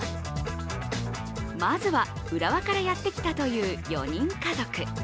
まずは、浦和からやってきたという４人家族。